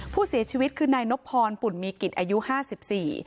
ผู้เสียชีวิตคือนายนบพรปุ่นมีกิจอายุห้าสิบสี่